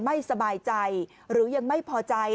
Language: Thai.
ไม่สบายใจหรือยังไม่พอใจ